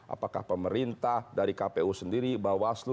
apakah pemerintah dari kpu sendiri bawaslu